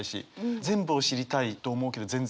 全部を知りたいと思うけど全然知れないし。